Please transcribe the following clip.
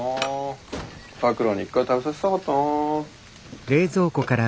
咲良に一回食べさせたかったな。